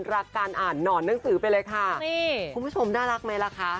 รักการอ่านหนอนหนังสือไปเลยค่ะนี่คุณผู้ชมน่ารักไหมล่ะคะ